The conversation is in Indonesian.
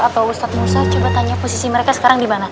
atau ustaz musa coba tanya posisi mereka sekarang dimana